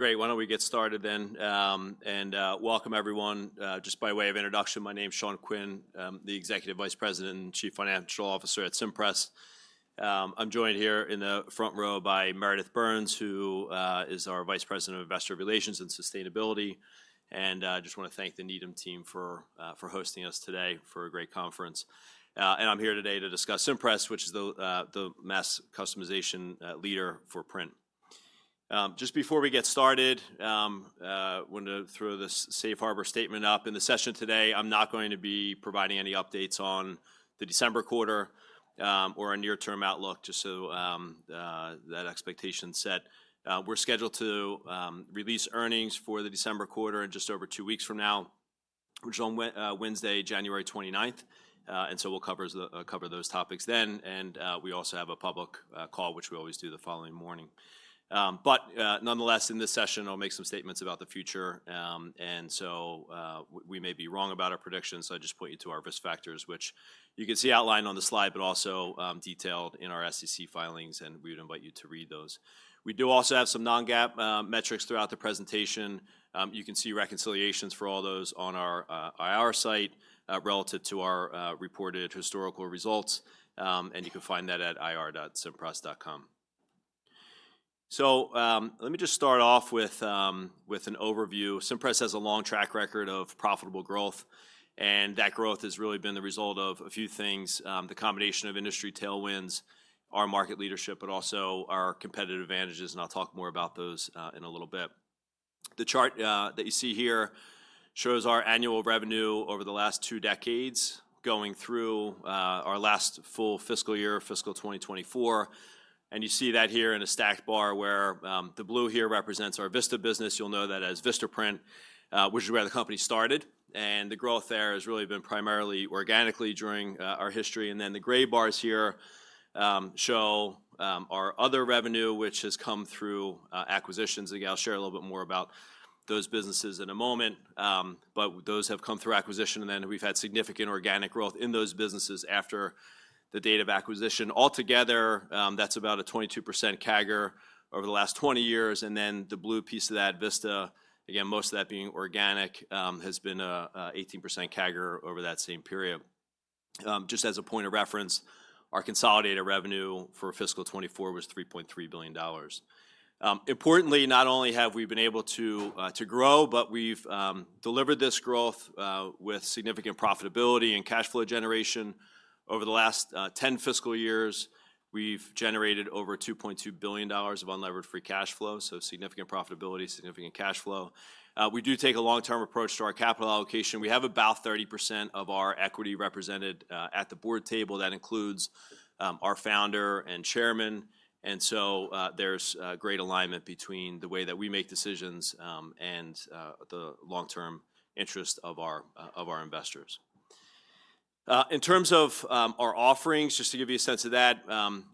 Great. Why don't we get started then, and welcome everyone. Just by way of introduction, my name is Sean Quinn, the Executive Vice President and Chief Financial Officer at Cimpress. I'm joined here in the front row by Meredith Burns, who is our Vice President of Investor Relations and Sustainability, and I just want to thank the Needham team for hosting us today for a great conference. I'm here today to discuss Cimpress, which is the mass customization leader for print. Just before we get started, I want to throw this safe harbor statement up. In the session today, I'm not going to be providing any updates on the December quarter, or a near-term outlook, just so that expectation's set. We're scheduled to release earnings for the December quarter in just over two weeks from now, which is on Wednesday, January 29th. And so we'll cover those topics then. And we also have a public call, which we always do the following morning. But nonetheless, in this session, I'll make some statements about the future. And so we may be wrong about our predictions, so I just point you to our risk factors, which you can see outlined on the slide, but also detailed in our SEC filings, and we would invite you to read those. We do also have some non-GAAP metrics throughout the presentation. You can see reconciliations for all those on our IR site, relative to our reported historical results. And you can find that at ir.cimpress.com. So let me just start off with an overview. Cimpress has a long track record of profitable growth, and that growth has really been the result of a few things, the combination of industry tailwinds, our market leadership, but also our competitive advantages, and I'll talk more about those in a little bit. The chart that you see here shows our annual revenue over the last two decades going through our last full fiscal year, fiscal 2024. You see that here in a stacked bar where the blue here represents our Vista business. You'll know that as Vistaprint, which is where the company started. The growth there has really been primarily organically during our history. Then the gray bars here show our other revenue, which has come through acquisitions. Again, I'll share a little bit more about those businesses in a moment. But those have come through acquisition, and then we've had significant organic growth in those businesses after the date of acquisition. Altogether, that's about a 22% CAGR over the last 20 years. The blue piece of that, Vista, again, most of that being organic, has been a 18% CAGR over that same period. Just as a point of reference, our consolidated revenue for fiscal 2024 was $3.3 billion. Importantly, not only have we been able to grow, but we've delivered this growth with significant profitability and cash flow generation. Over the last 10 fiscal years, we've generated over $2.2 billion of unlevered free cash flow. Significant profitability, significant cash flow. We do take a long-term approach to our capital allocation. We have about 30% of our equity represented at the Board table. That includes our founder and chairman. And so, there's great alignment between the way that we make decisions and the long-term interest of our investors. In terms of our offerings, just to give you a sense of that,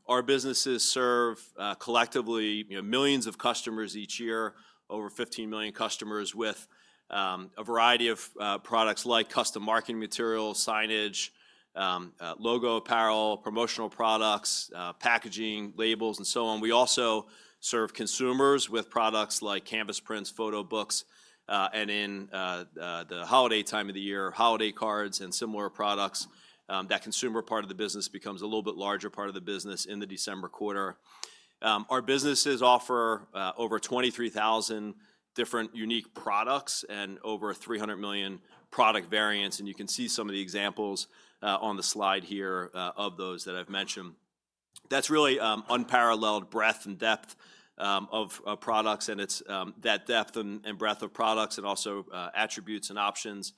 our businesses serve, collectively, you know, millions of customers each year, over 15 million customers with a variety of products like custom marketing materials, signage, logo apparel, promotional products, packaging, labels, and so on. We also serve consumers with products like canvas prints, photo books, and in the holiday time of the year, holiday cards and similar products. That consumer part of the business becomes a little bit larger part of the business in the December quarter. Our businesses offer over 23,000 different unique products and over 300 million product variants. And you can see some of the examples on the slide here of those that I've mentioned. That's really unparalleled breadth and depth of products. It's that depth and breadth of products and also attributes and options,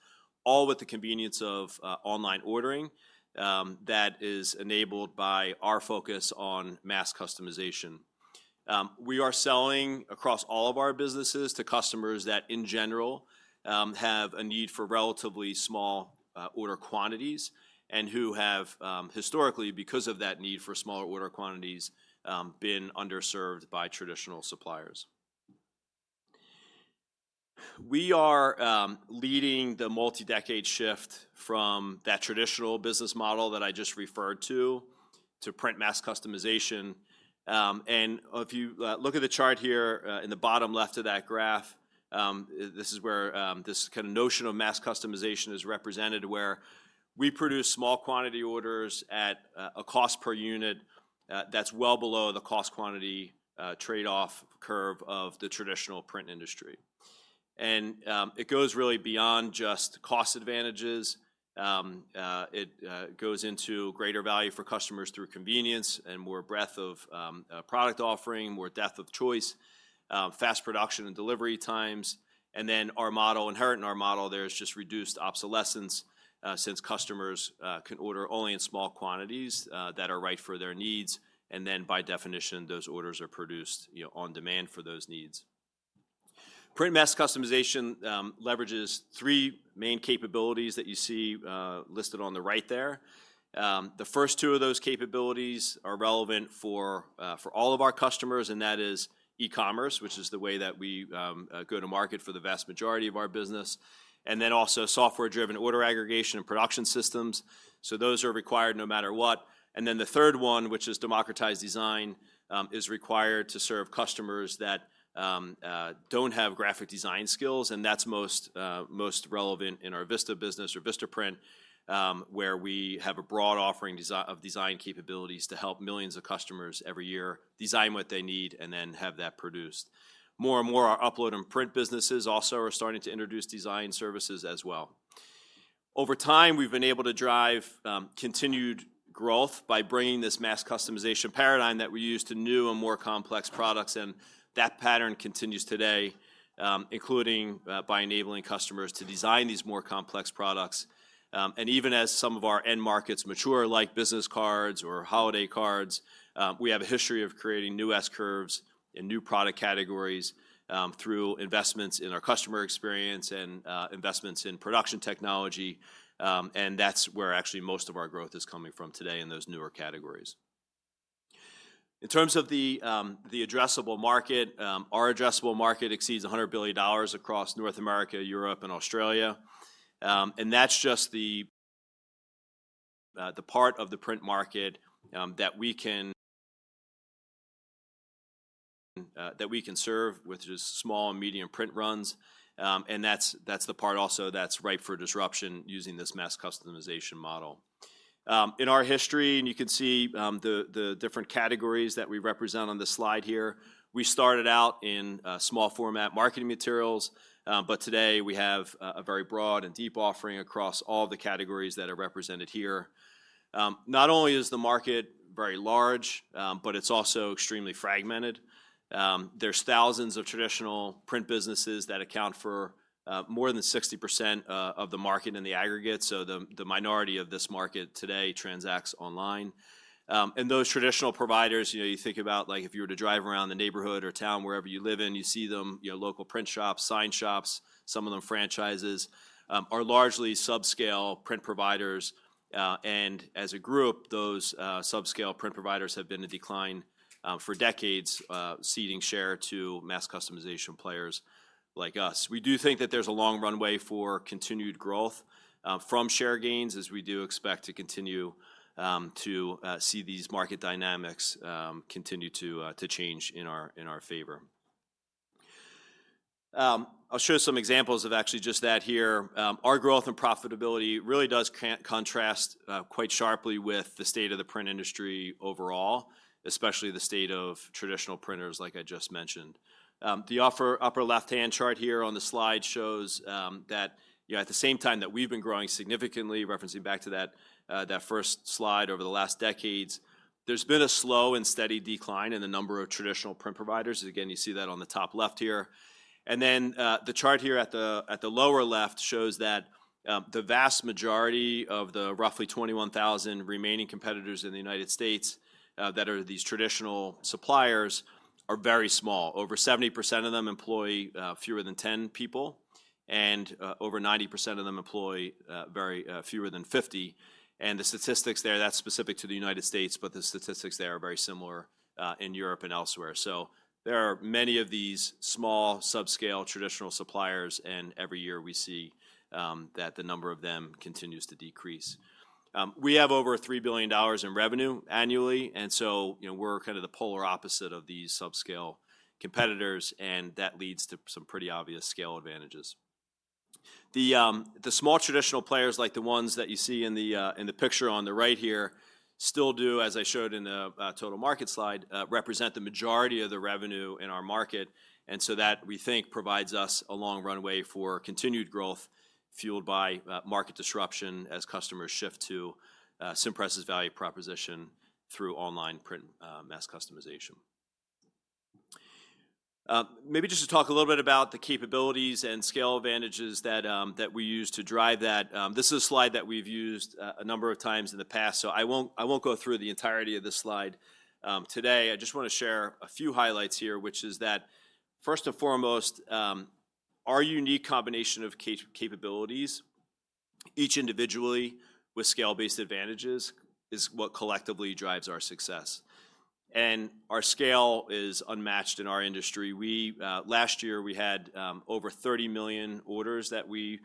all with the convenience of online ordering, that is enabled by our focus on mass customization. We are selling across all of our businesses to customers that, in general, have a need for relatively small order quantities and who have historically, because of that need for smaller order quantities, been underserved by traditional suppliers. We are leading the multi-decade shift from that traditional business model that I just referred to to print mass customization. If you look at the chart here, in the bottom left of that graph, this is where this kind of notion of mass customization is represented, where we produce small quantity orders at a cost per unit that's well below the cost-quantity trade-off curve of the traditional print industry. It goes really beyond just cost advantages. It goes into greater value for customers through convenience and more breadth of product offering, more depth of choice, fast production and delivery times. And then our model, inherent in our model, there's just reduced obsolescence, since customers can order only in small quantities that are right for their needs. And then, by definition, those orders are produced, you know, on demand for those needs. Print mass customization leverages three main capabilities that you see listed on the right there. The first two of those capabilities are relevant for all of our customers, and that is e-commerce, which is the way that we go to market for the vast majority of our business, and then also software-driven order aggregation and production systems. So those are required no matter what. And then the third one, which is democratized design, is required to serve customers that don't have graphic design skills. And that's most relevant in our Vista business or Vistaprint, where we have a broad offering of design capabilities to help millions of customers every year design what they need and then have that produced. More and more, our upload and print businesses also are starting to introduce design services as well. Over time, we've been able to drive continued growth by bringing this mass customization paradigm that we use to new and more complex products. And that pattern continues today, including by enabling customers to design these more complex products. And even as some of our end markets mature, like business cards or holiday cards, we have a history of creating new S curves and new product categories through investments in our customer experience and investments in production technology. And that's where actually most of our growth is coming from today in those newer categories. In terms of the addressable market, our addressable market exceeds $100 billion across North America, Europe, and Australia, and that's just the part of the print market that we can serve with just small and medium print runs, and that's the part also that's ripe for disruption using this mass customization model. In our history, and you can see the different categories that we represent on the slide here, we started out in small format marketing materials, but today we have a very broad and deep offering across all the categories that are represented here. Not only is the market very large, but it's also extremely fragmented. There's thousands of traditional print businesses that account for more than 60% of the market in the aggregate. So the minority of this market today transacts online. And those traditional providers, you know, you think about, like, if you were to drive around the neighborhood or town, wherever you live in, you see them, you know, local print shops, sign shops, some of them franchises, are largely subscale print providers. And as a group, those subscale print providers have been in decline for decades, ceding share to mass customization players like us. We do think that there's a long runway for continued growth from share gains, as we do expect to continue to see these market dynamics continue to change in our favor. I'll show some examples of actually just that here. Our growth and profitability really does contrast quite sharply with the state of the print industry overall, especially the state of traditional printers, like I just mentioned. The upper left-hand chart here on the slide shows that, you know, at the same time that we've been growing significantly, referencing back to that first slide over the last decades, there's been a slow and steady decline in the number of traditional print providers. Again, you see that on the top left here. And then, the chart here at the lower left shows that the vast majority of the roughly 21,000 remaining competitors in the United States that are these traditional suppliers are very small. Over 70% of them employ fewer than 10 people, and over 90% of them employ fewer than 50. And the statistics there, that's specific to the United States, but the statistics there are very similar in Europe and elsewhere. So there are many of these small subscale traditional suppliers, and every year we see that the number of them continues to decrease. We have over $3 billion in revenue annually. And so, you know, we're kind of the polar opposite of these subscale competitors, and that leads to some pretty obvious scale advantages. The small traditional players, like the ones that you see in the picture on the right here, still do, as I showed in the total market slide, represent the majority of the revenue in our market. And so that we think provides us a long runway for continued growth fueled by market disruption as customers shift to Cimpress's value proposition through online print, mass customization. Maybe just to talk a little bit about the capabilities and scale advantages that we use to drive that. This is a slide that we've used a number of times in the past, so I won't, I won't go through the entirety of this slide today. I just want to share a few highlights here, which is that first and foremost, our unique combination of capabilities, each individually with scale-based advantages, is what collectively drives our success. And our scale is unmatched in our industry. We last year we had over 30 million orders that we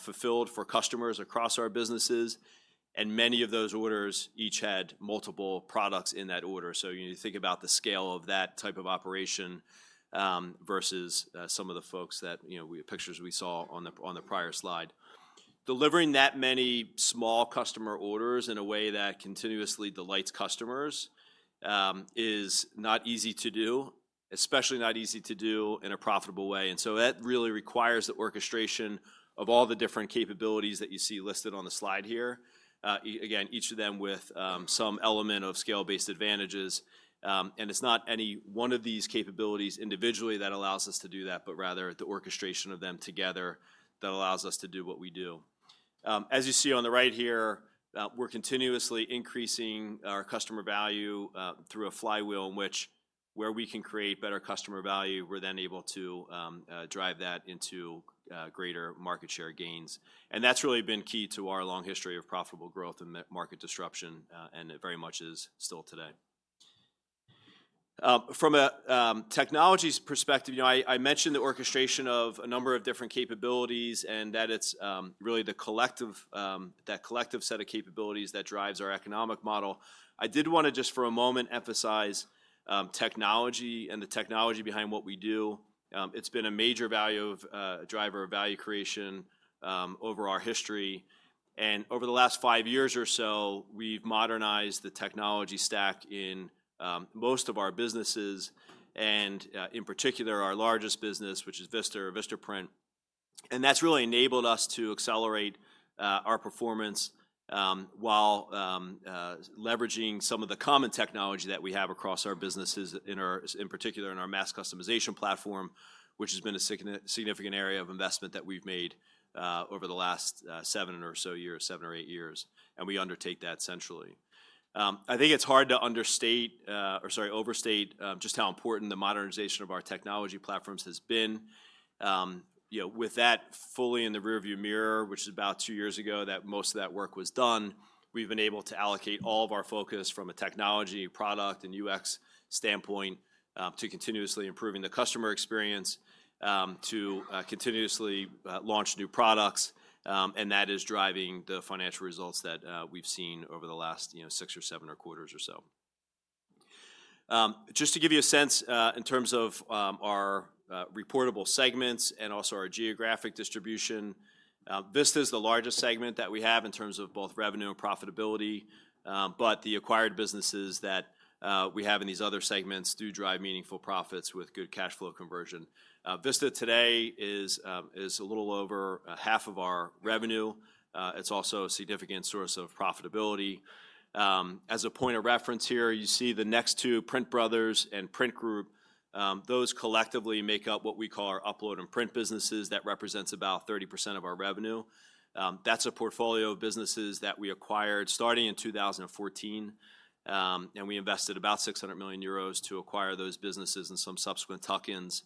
fulfilled for customers across our businesses, and many of those orders each had multiple products in that order. So you know you think about the scale of that type of operation versus some of the folks that you know the pictures we saw on the prior slide. Delivering that many small customer orders in a way that continuously delights customers is not easy to do, especially not easy to do in a profitable way, and so that really requires the orchestration of all the different capabilities that you see listed on the slide here. Again, each of them with some element of scale-based advantages, and it's not any one of these capabilities individually that allows us to do that, but rather the orchestration of them together that allows us to do what we do. As you see on the right here, we're continuously increasing our customer value through a flywheel in which we can create better customer value. We're then able to drive that into greater market share gains, and that's really been key to our long history of profitable growth and market disruption, and it very much is still today. From a technology perspective, you know, I mentioned the orchestration of a number of different capabilities and that it's really the collective set of capabilities that drives our economic model. I did want to just for a moment emphasize technology and the technology behind what we do. It's been a major value driver of value creation over our history. Over the last five years or so, we've modernized the technology stack in most of our businesses and, in particular, our largest business, which is Vista or Vistaprint. That's really enabled us to accelerate our performance while leveraging some of the common technology that we have across our businesses, in particular in our mass customization platform, which has been a significant area of investment that we've made over the last seven or eight years. We undertake that centrally. I think it's hard to understate, or sorry, overstate, just how important the modernization of our technology platforms has been. You know, with that fully in the rearview mirror, which is about two years ago that most of that work was done, we've been able to allocate all of our focus from a technology product and UX standpoint, to continuously improving the customer experience, to continuously launch new products, and that is driving the financial results that we've seen over the last, you know, six or seven quarters or so. Just to give you a sense, in terms of our reportable segments and also our geographic distribution, Vista is the largest segment that we have in terms of both revenue and profitability, but the acquired businesses that we have in these other segments do drive meaningful profits with good cash flow conversion. Vista today is a little over a half of our revenue. It's also a significant source of profitability. As a point of reference here, you see the next two PrintBrothers and The Print Group. Those collectively make up what we call our upload and print businesses that represents about 30% of our revenue. That's a portfolio of businesses that we acquired starting in 2014, and we invested about 600 million euros to acquire those businesses and some subsequent tuck-ins.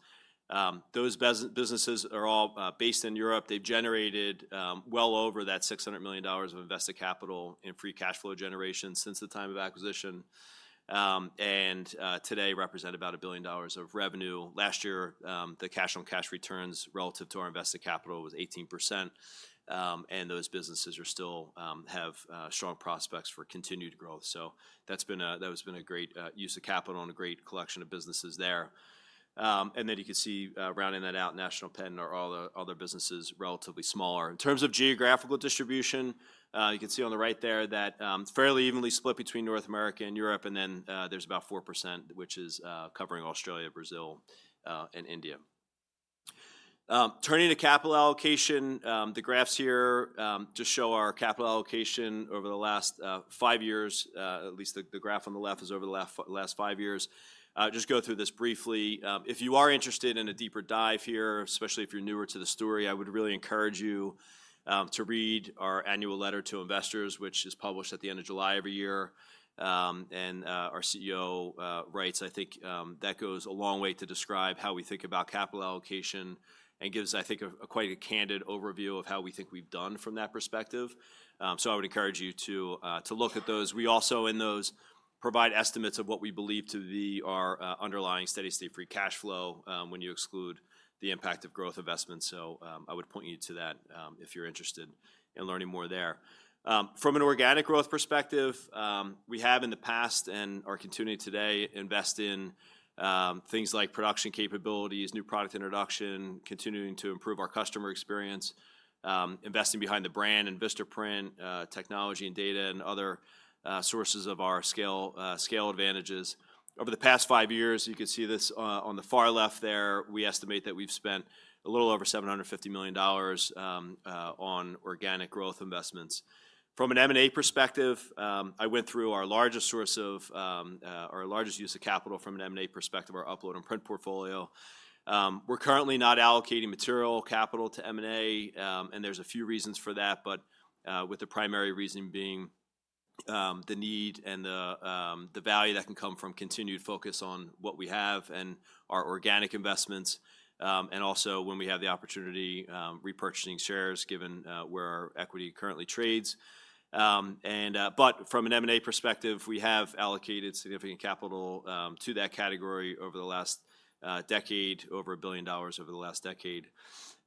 Those businesses are all based in Europe. They've generated well over that $600 million of invested capital in free cash flow generation since the time of acquisition, and today represent about $1 billion of revenue. Last year, the cash on cash returns relative to our invested capital was 18%, and those businesses still have strong prospects for continued growth. So that's been a great use of capital and a great collection of businesses there. And then you can see, rounding that out, National Pen and all the other businesses relatively smaller. In terms of geographical distribution, you can see on the right there that it's fairly evenly split between North America and Europe. And then there's about 4%, which is covering Australia, Brazil, and India. Turning to capital allocation, the graphs here just show our capital allocation over the last five years. At least the graph on the left is over the last five years. Just go through this briefly. If you are interested in a deeper dive here, especially if you're newer to the story, I would really encourage you to read our annual letter to investors, which is published at the end of July every year. And our CEO writes, I think, that goes a long way to describe how we think about capital allocation and gives, I think, a quite candid overview of how we think we've done from that perspective. So I would encourage you to look at those. We also in those provide estimates of what we believe to be our underlying steady-state free cash flow, when you exclude the impact of growth investments. So I would point you to that, if you're interested in learning more there. From an organic growth perspective, we have in the past and are continuing today to invest in things like production capabilities, new product introduction, continuing to improve our customer experience, investing behind the brand and Vistaprint, technology and data and other sources of our scale advantages. Over the past five years, you can see this, on the far left there, we estimate that we've spent a little over $750 million on organic growth investments. From an M&A perspective, I went through our largest source of, our largest use of capital from an M&A perspective, our upload and print portfolio. We're currently not allocating material capital to M&A, and there's a few reasons for that, but with the primary reason being the need and the value that can come from continued focus on what we have and our organic investments, and also when we have the opportunity, repurchasing shares given where our equity currently trades. But from an M&A perspective, we have allocated significant capital to that category over the last decade, over $1 billion over the last decade.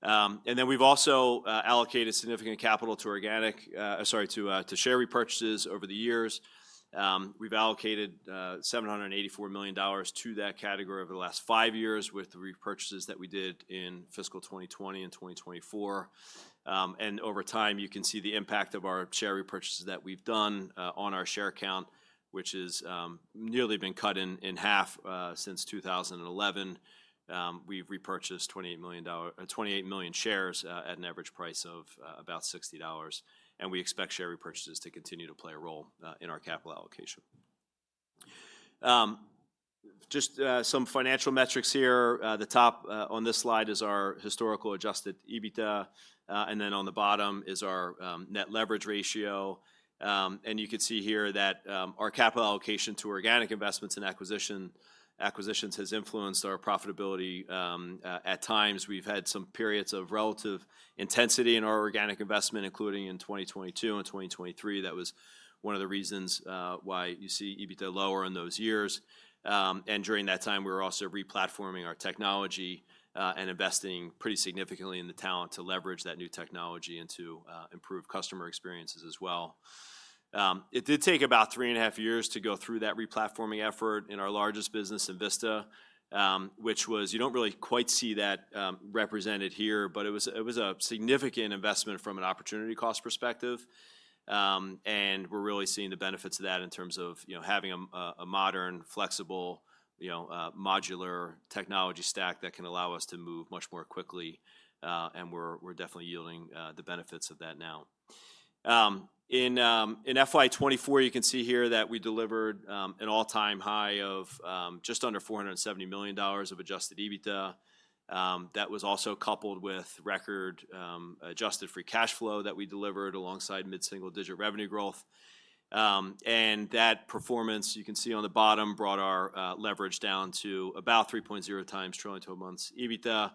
Then we've also allocated significant capital to share repurchases over the years. We've allocated $784 million to that category over the last five years with the repurchases that we did in fiscal 2020 and 2024. Over time, you can see the impact of our share repurchases that we've done on our share count, which has nearly been cut in half since 2011. We've repurchased 28 million shares at an average price of about $60. We expect share repurchases to continue to play a role in our capital allocation. Some financial metrics here. The top on this slide is our historical Adjusted EBITDA. Then on the bottom is our net leverage ratio. You can see here that our capital allocation to organic investments and acquisitions has influenced our profitability. At times we've had some periods of relative intensity in our organic investment, including in 2022 and 2023. That was one of the reasons why you see EBITDA lower in those years and during that time, we were also replatforming our technology and investing pretty significantly in the talent to leverage that new technology into improved customer experiences as well. It did take about three and a half years to go through that replatforming effort in our largest business in Vista, which was, you don't really quite see that represented here, but it was a significant investment from an opportunity cost perspective and we're really seeing the benefits of that in terms of you know having a modern flexible you know modular technology stack that can allow us to move much more quickly and we're definitely yielding the benefits of that now. In FY2024, you can see here that we delivered an all-time high of just under $470 million of Adjusted EBITDA. That was also coupled with record adjusted free cash flow that we delivered alongside mid-single-digit revenue growth. That performance, you can see at the bottom, brought our leverage down to about 3.0x trailing twelve months' EBITDA.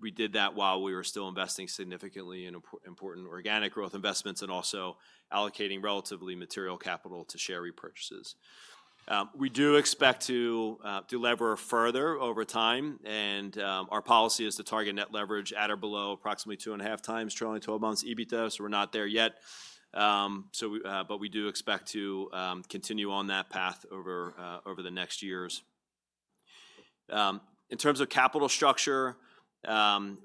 We did that while we were still investing significantly in important organic growth investments and also allocating relatively material capital to share repurchases. We expect to deliver further over time. Our policy is to target net leverage at or below approximately two and a half times trailing twelve months' EBITDA. We're not there yet, but we expect to continue on that path over the next years. In terms of capital structure,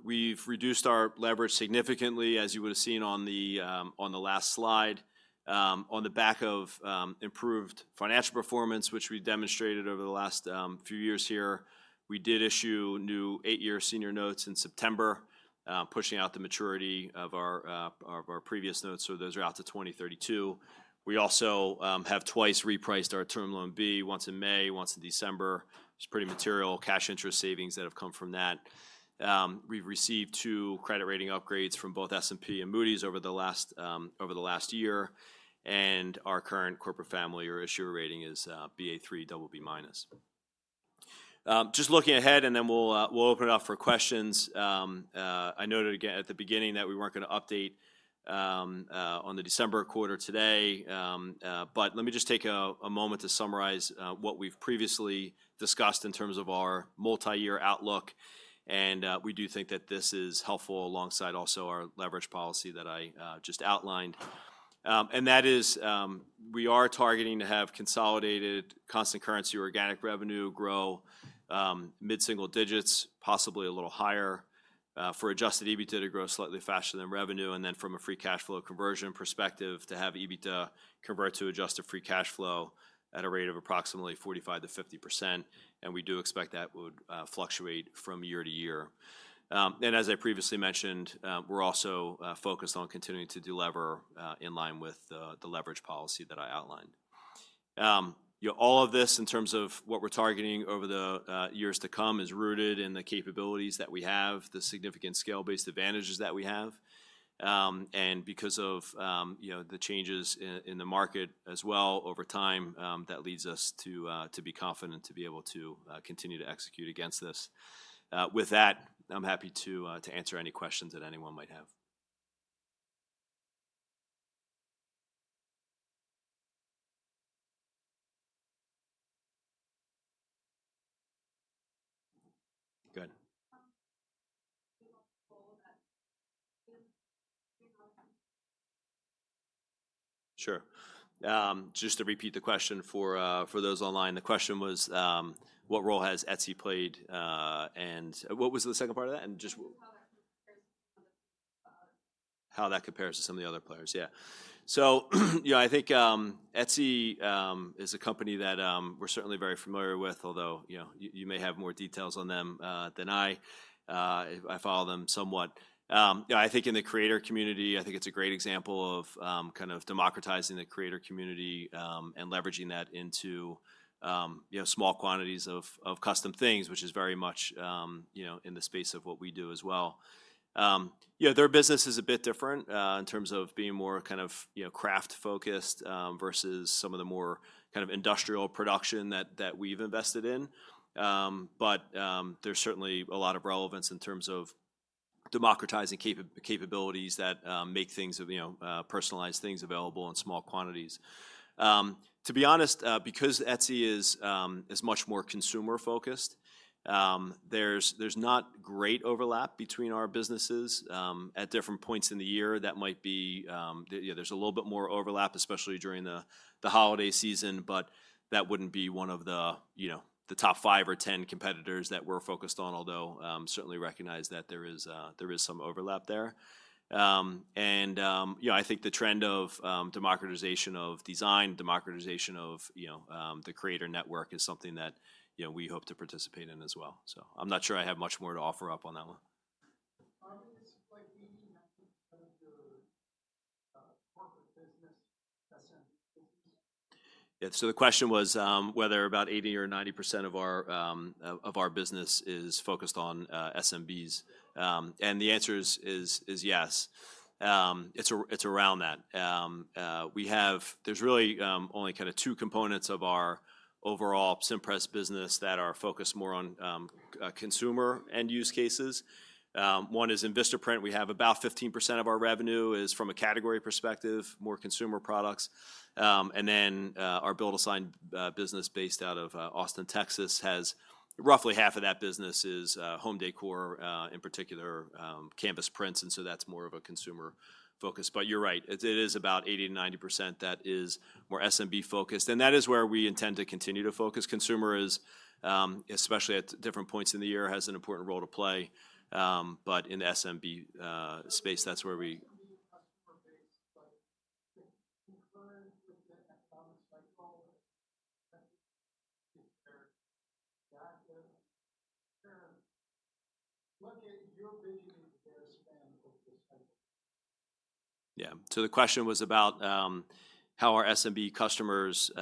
we've reduced our leverage significantly, as you would have seen on the last slide. On the back of improved financial performance, which we demonstrated over the last few years here, we did issue new eight-year senior notes in September, pushing out the maturity of our previous notes. So those are out to 2032. We also have twice repriced our term loan B, once in May, once in December. It's pretty material cash interest savings that have come from that. We've received two credit rating upgrades from both S&P and Moody's over the last year. And our current corporate family or issuer rating is Ba3/BB-. Just looking ahead and then we'll open it up for questions. I noted again at the beginning that we weren't going to update on the December quarter today. But let me just take a moment to summarize what we've previously discussed in terms of our multi-year outlook. And we do think that this is helpful alongside also our leverage policy that I just outlined. And that is, we are targeting to have consolidated constant currency organic revenue grow mid-single digits, possibly a little higher, for Adjusted EBITDA to grow slightly faster than revenue. And then from a free cash flow conversion perspective, to have EBITDA convert to adjusted free cash flow at a rate of approximately 45%-50%. And we do expect that would fluctuate from year to year. And as I previously mentioned, we're also focused on continuing to deliver in line with the leverage policy that I outlined. You know, all of this in terms of what we're targeting over the years to come is rooted in the capabilities that we have, the significant scale-based advantages that we have. Because of, you know, the changes in the market as well over time, that leads us to be confident to be able to continue to execute against this. With that, I'm happy to answer any questions that anyone might have. Good. Sure. Just to repeat the question for those online, the question was, what role has Etsy played, and what was the second part of that? And just how that compares to some of the other players. Yeah. So, you know, I think Etsy is a company that we're certainly very familiar with, although, you know, you may have more details on them than I, if I follow them somewhat. You know, I think in the creator community, I think it's a great example of kind of democratizing the creator community and leveraging that into you know small quantities of custom things, which is very much you know in the space of what we do as well. You know, their business is a bit different in terms of being more kind of you know craft-focused versus some of the more kind of industrial production that we've invested in. But there's certainly a lot of relevance in terms of democratizing capabilities that make things of you know personalized things available in small quantities. To be honest, because Etsy is much more consumer-focused, there's not great overlap between our businesses. At different points in the year that might be, you know, there's a little bit more overlap, especially during the holiday season, but that wouldn't be one of the, you know, the top five or 10 competitors that we're focused on, although certainly recognize that there is some overlap there. And, you know, I think the trend of democratization of design, democratization of, you know, the creator network is something that, you know, we hope to participate in as well. So I'm not sure I have much more to offer up on that one. Yeah. So the question was whether about 80% or 90% of our business is focused on SMBs. And the answer is yes. It's around that. We have. There's really only kind of two components of our overall Cimpress business that are focused more on consumer end use cases. One is in Vistaprint. We have about 15% of our revenue is from a category perspective, more consumer products. And then our BuildASign business based out of Austin, Texas has roughly half of that business is home decor, in particular, canvas prints. And so that's more of a consumer focus. But you're right, it is about 80%-90% that is more SMB focused. And that is where we intend to continue to focus. Consumer is, especially at different points in the year has an important role to play. But in the SMB space, that's where we. Yeah. So the question was about how our SMB customers sort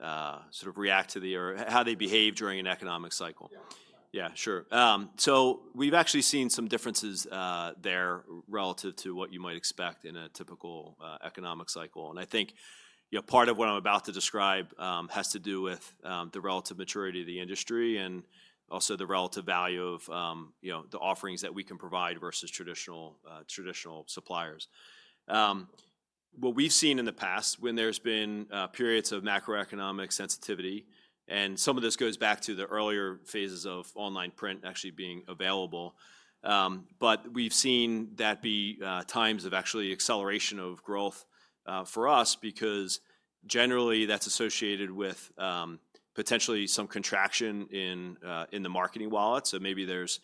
of react to the or how they behave during an economic cycle. Yeah, sure. So we've actually seen some differences there relative to what you might expect in a typical economic cycle, and I think you know part of what I'm about to describe has to do with the relative maturity of the industry and also the relative value of you know the offerings that we can provide versus traditional suppliers, what we've seen in the past when there's been periods of macroeconomic sensitivity, and some of this goes back to the earlier phases of online print actually being available, but we've seen that be times of actually acceleration of growth for us because generally that's associated with potentially some contraction in the marketing wallet, so maybe there's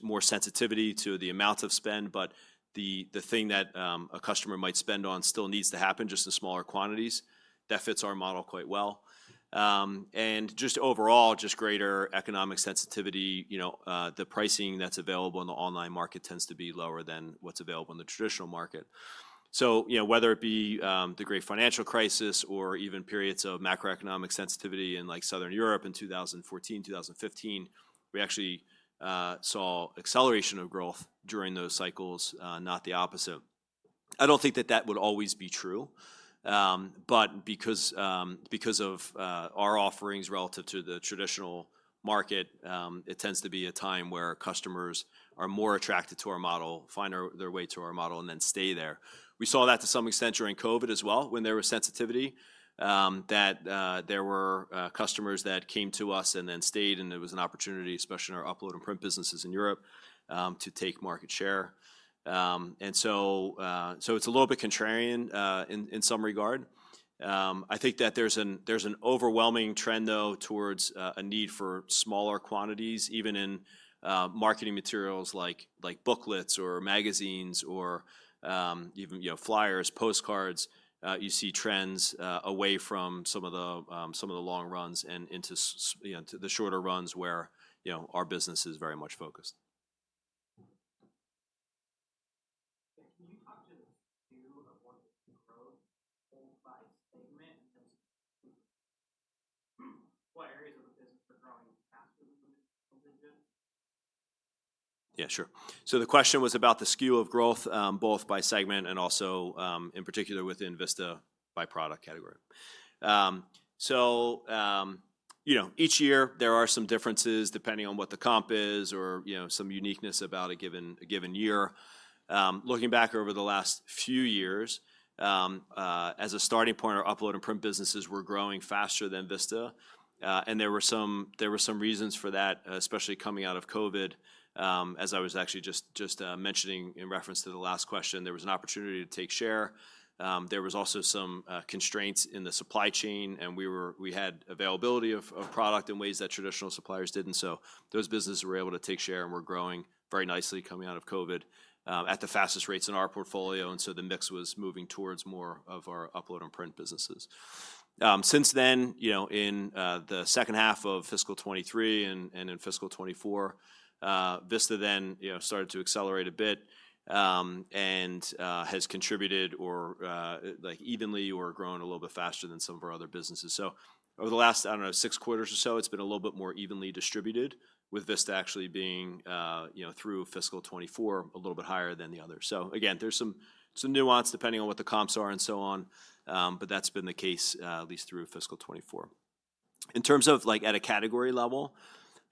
more sensitivity to the amount of spend, but the thing that a customer might spend on still needs to happen just in smaller quantities. That fits our model quite well. And just overall, just greater economic sensitivity, you know, the pricing that's available in the online market tends to be lower than what's available in the traditional market. So, you know, whether it be the great financial crisis or even periods of macroeconomic sensitivity in like Southern Europe in 2014, 2015, we actually saw acceleration of growth during those cycles, not the opposite. I don't think that that would always be true. But because of our offerings relative to the traditional market, it tends to be a time where customers are more attracted to our model, find their way to our model, and then stay there. We saw that to some extent during COVID as well when there was sensitivity, that there were customers that came to us and then stayed, and it was an opportunity, especially in our upload and print businesses in Europe, to take market share. So it's a little bit contrarian in some regard. I think that there's an overwhelming trend though towards a need for smaller quantities, even in marketing materials like booklets or magazines or even you know flyers postcards. You see trends away from some of the long runs and into you know to the shorter runs where you know our business is very much focused. Can you talk to the skew of what growth by segment? What areas of the business are growing faster than the rest? Yeah sure. So the question was about the skew of growth both by segment and also in particular within Vista by product category. So you know each year there are some differences depending on what the comp is or you know some uniqueness about a given year. Looking back over the last few years, as a starting point, our upload and print businesses were growing faster than Vista. And there were some reasons for that, especially coming out of COVID. As I was actually just mentioning in reference to the last question, there was an opportunity to take share. There was also some constraints in the supply chain, and we had availability of product in ways that traditional suppliers didn't. So those businesses were able to take share and were growing very nicely coming out of COVID, at the fastest rates in our portfolio. And so the mix was moving towards more of our upload and print businesses. Since then, you know, in the second half of fiscal 2023 and in fiscal 2024, Vista then, you know, started to accelerate a little bit, and has contributed or like evenly or grown a little bit faster than some of our other businesses. So over the last, I don't know, six quarters or so, it's been a little bit more evenly distributed with Vista actually being, you know, through fiscal 2024 a little bit higher than the other. So again, there's some nuance depending on what the comps are and so on. But that's been the case, at least through fiscal 2024. In terms of like at a category level,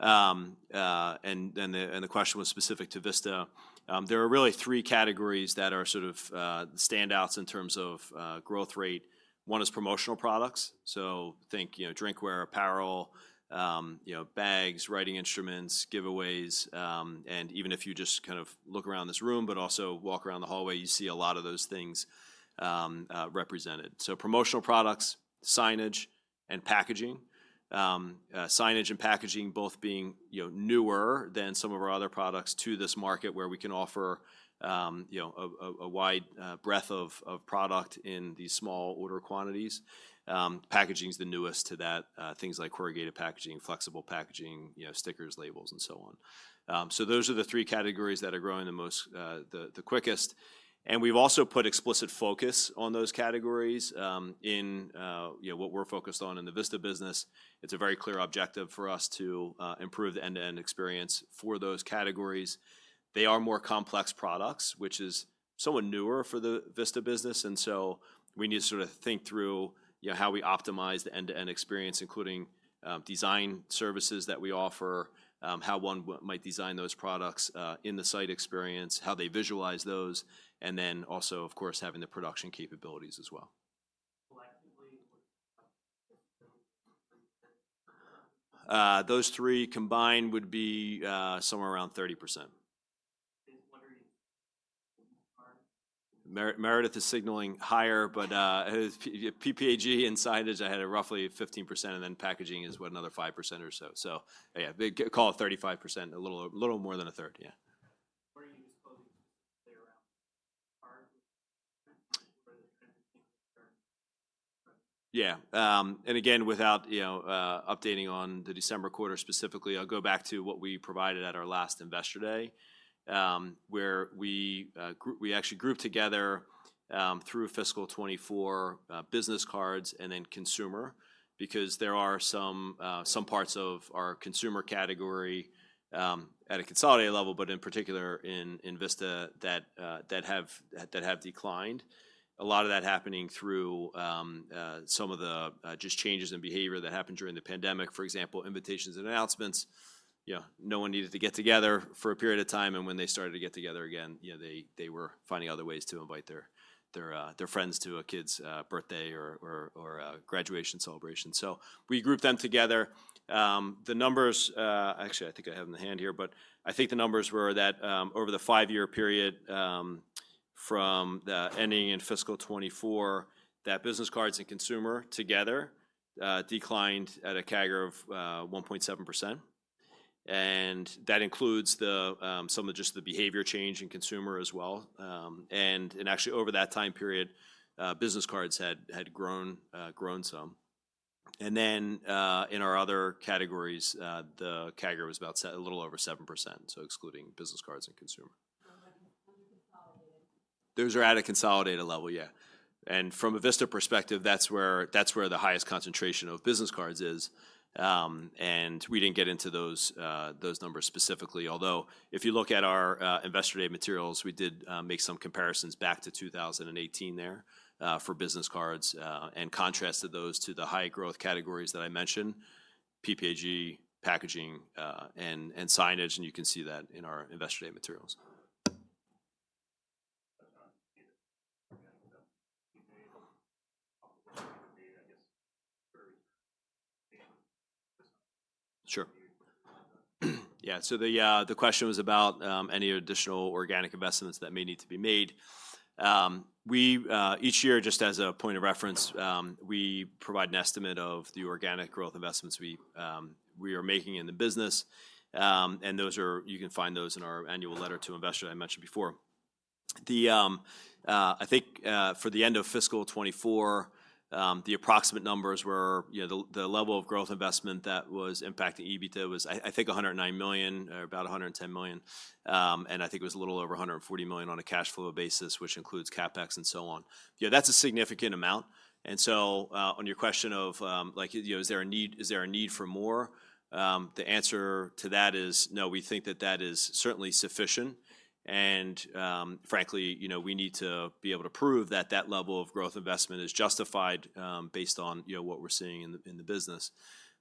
and then the, and the question was specific to Vista, there are really three categories that are sort of standouts in terms of growth rate. One is promotional products. So think, you know, drinkware, apparel, you know, bags, writing instruments, giveaways, and even if you just kind of look around this room, but also walk around the hallway, you see a lot of those things represented. So promotional products, signage and packaging, signage and packaging both being, you know, newer than some of our other products to this market where we can offer, you know, a wide breadth of product in these small order quantities. Packaging is the newest to that, things like corrugated packaging, flexible packaging, you know, stickers, labels, and so on, so those are the three categories that are growing the most, the quickest, and we've also put explicit focus on those categories, in, you know, what we're focused on in the Vista business. It's a very clear objective for us to improve the end-to-end experience for those categories. They are more complex products, which is somewhat newer for the Vista business. So we need to sort of think through, you know, how we optimize the end-to-end experience, including design services that we offer, how one might design those products in the site experience, how they visualize those, and then also, of course, having the production capabilities as well. Those three combined would be somewhere around 30%. Meredith is signaling higher, but PPAG and signage I had a roughly 15%, and then packaging is what, another 5% or so. So yeah, call it 35%, a little, a little more than 1/3. Yeah. Yeah. And again, without, you know, updating on the December quarter specifically, I'll go back to what we provided at our last Investor Day, where we actually grouped together, through fiscal 2024, business cards and then consumer, because there are some parts of our consumer category, at a consolidated level, but in particular in Vista that have declined. A lot of that happening through some of the just changes in behavior that happened during the pandemic, for example, invitations and announcements. You know, no one needed to get together for a period of time. When they started to get together again, you know, they were finding other ways to invite their friends to a kid's birthday or graduation celebration. So we grouped them together. The numbers, actually I think I have them in the hand here, but I think the numbers were that, over the five-year period, from the ending in fiscal 2024, that business cards and consumer together, declined at a CAGR of 1.7%. And that includes the, some of just the behavior change in consumer as well. And actually over that time period, business cards had grown some. And then, in our other categories, the CAGR was about a little over 7%. So excluding business cards and consumer. Those are at a consolidated level. Yeah. And from a Vista perspective, that's where the highest concentration of business cards is. And we didn't get into those numbers specifically. Although if you look at our Investor Day materials, we did make some comparisons back to 2018 there for business cards, and contrasted those to the high growth categories that I mentioned, PPAG, packaging, and signage. And you can see that in our Investor Day materials. Sure. Yeah. So the question was about any additional organic investments that may need to be made. We each year, just as a point of reference, provide an estimate of the organic growth investments we are making in the business. And those are. You can find those in our annual letter to investors I mentioned before. I think for the end of fiscal 2024, the approximate numbers were, you know, the level of growth investment that was impacting EBITDA was, I think, $109 million or about $110 million. And I think it was a little over $140 million on a cash flow basis, which includes CapEx and so on. Yeah, that's a significant amount. And so, on your question of, like, you know, is there a need, is there a need for more? The answer to that is no, we think that that is certainly sufficient. And, frankly, you know, we need to be able to prove that that level of growth investment is justified, based on, you know, what we're seeing in the, in the business.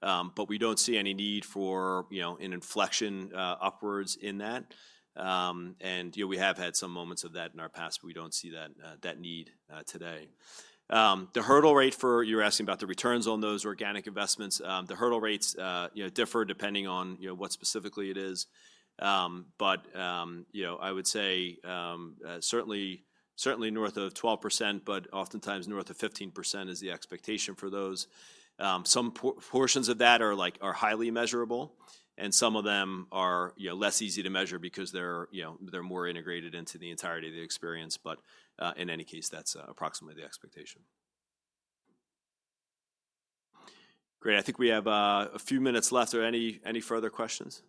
But we don't see any need for, you know, an inflection, upwards in that. And you know, we have had some moments of that in our past, but we don't see that, that need, today. The hurdle rate for, you were asking about the returns on those organic investments. The hurdle rates, you know, differ depending on, you know, what specifically it is, but, you know, I would say, certainly, certainly north of 12%, but oftentimes north of 15% is the expectation for those. Some portions of that are like, are highly measurable and some of them are, you know, less easy to measure because they're, you know, more integrated into the entirety of the experience, but in any case, that's approximately the expectation. Great. I think we have a few minutes left. Are there any further questions?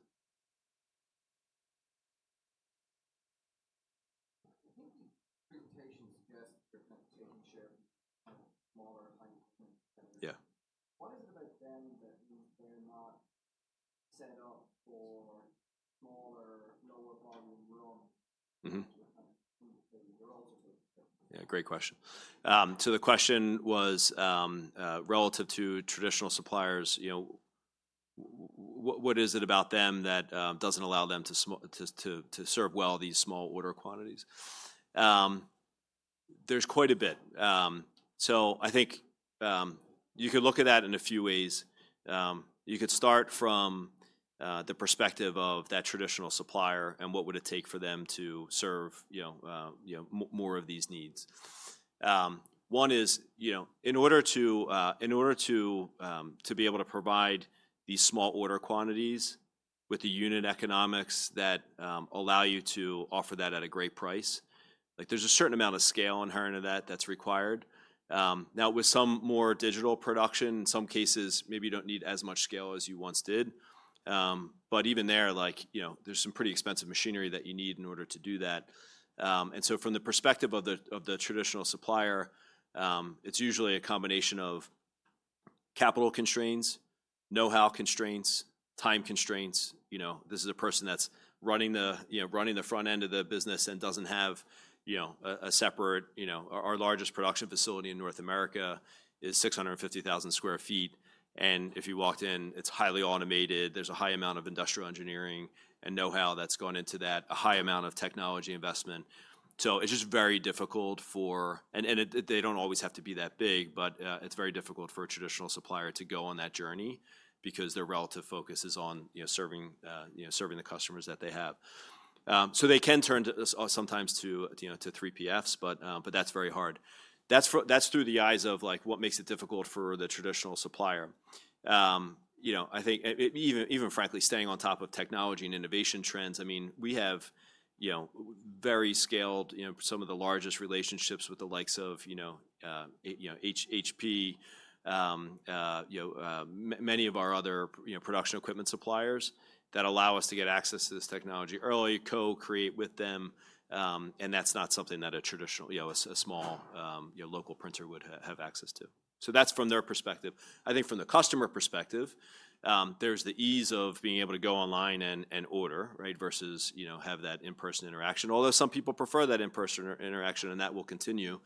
Yeah. What is it about them that they're not set up for smaller, lower volume runs? Yeah. Great question, so the question was, relative to traditional suppliers, you know, what is it about them that doesn't allow them to serve well these small order quantities? There's quite a bit. So I think you could look at that in a few ways. You could start from the perspective of that traditional supplier and what it would take for them to serve you know more of these needs. One is you know in order to be able to provide these small order quantities with the unit economics that allow you to offer that at a great price. Like there's a certain amount of scale inherent of that that's required. Now with some more digital production, in some cases, maybe you don't need as much scale as you once did. But even there, like you know there's some pretty expensive machinery that you need in order to do that. And so from the perspective of the traditional supplier, it's usually a combination of capital constraints, know-how constraints, time constraints. You know, this is a person that's running the, you know, running the front end of the business and doesn't have, you know, a, a separate, you know, our largest production facility in North America is 650,000 sq ft. And if you walked in, it's highly automated. There's a high amount of industrial engineering and know-how that's gone into that, a high amount of technology investment. So it's just very difficult for, and it, they don't always have to be that big, but it's very difficult for a traditional supplier to go on that journey because their relative focus is on, you know, serving, you know, serving the customers that they have. So they can turn to sometimes to, you know, to 3PFs, but that's very hard. That's through the eyes of like what makes it difficult for the traditional supplier. You know, I think even frankly, staying on top of technology and innovation trends, I mean, we have, you know, very scaled, you know, some of the largest relationships with the likes of, you know, you know, HP, you know, many of our other, you know, production equipment suppliers that allow us to get access to this technology early, co-create with them, and that's not something that a traditional, you know, a small, you know, local printer would have access to. So that's from their perspective. I think from the customer perspective, there's the ease of being able to go online and order, right? Versus, you know, have that in-person interaction. Although some people prefer that in-person interaction and that will continue.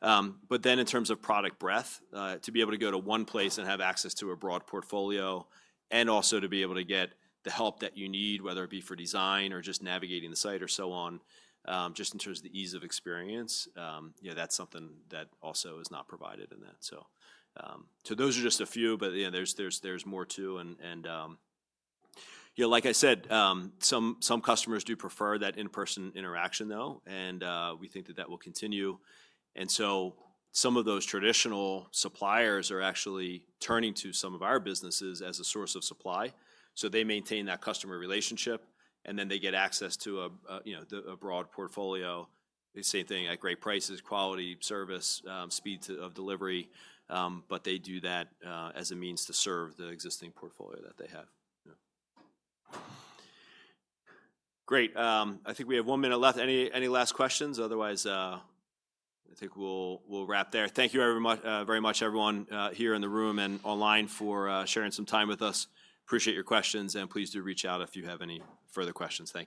But then in terms of product breadth, to be able to go to one place and have access to a broad portfolio and also to be able to get the help that you need, whether it be for design or just navigating the site or so on, just in terms of the ease of experience, you know, that's something that also is not provided in that. So those are just a few, but yeah, there's more too. And, you know, like I said, some customers do prefer that in-person interaction though. And we think that that will continue. And so some of those traditional suppliers are actually turning to some of our businesses as a source of supply. So they maintain that customer relationship and then they get access to a broad portfolio. The same thing at great prices, quality service, speed of delivery. But they do that as a means to serve the existing portfolio that they have. Yeah. Great. I think we have one minute left. Any, any last questions? Otherwise, I think we'll, we'll wrap there. Thank you very much, very much everyone here in the room and online for sharing some time with us. Appreciate your questions and please do reach out if you have any further questions. Thank you.